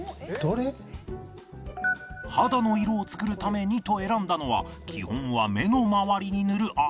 肌の色を作るためにと選んだのは基本は目の周りに塗るアイシャドウ